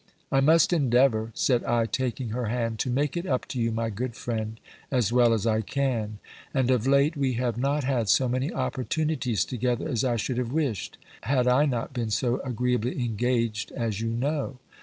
"I must endeavour," said I, taking her hand, "to make it up to you, my good friend, as well as I can. And of late we have not had so many opportunities together as I should have wished, had I not been so agreeably engaged as you know.